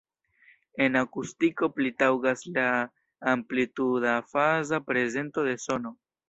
En akustiko pli taŭgas la amplituda-faza prezento de sono.